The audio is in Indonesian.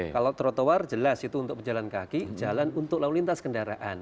kalau trotoar jelas itu untuk pejalan kaki jalan untuk lalu lintas kendaraan